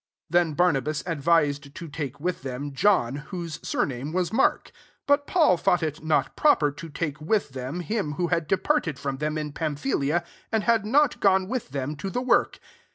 '^ 37 Then Barnabas advised to take with them John, whose surname was Mark. 38 But Paul thought it not proper to take with them, him who had departed from them in Pamphylia, and had not gone with them to the work